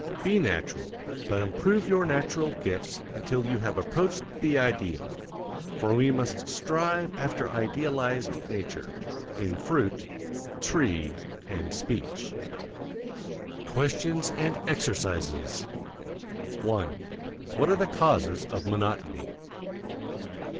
Be natural but improve your natural gifts until you have approached the ideal, for we must strive after idealized nature, in fruit, tree, and speech. QUESTIONS AND EXERCISES. 1. What are the causes of monotony?